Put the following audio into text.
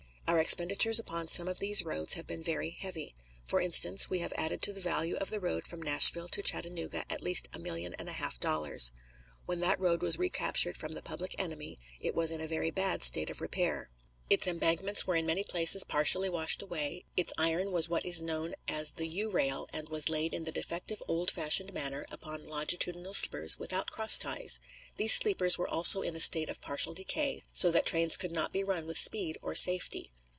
Our expenditures upon some of these roads have been very heavy. For instance, we have added to the value of the road from Nashville to Chattanooga at least a million and a half dollars. When that road was recaptured from the public enemy it was in a very bad state of repair. Its embankments were in many places partially washed away, its iron was what is known as the U rail, and was laid in the defective old fashioned manner, upon longitudinal sleepers, without cross ties. These sleepers were also in a state of partial decay, so that trains could not be run with speed or safety.